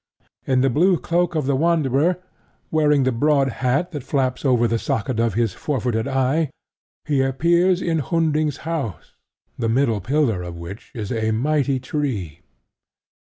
In the blue cloak of the wanderer, wearing the broad hat that flaps over the socket of his forfeited eye, he appears in Hunding's house, the middle pillar of which is a mighty tree.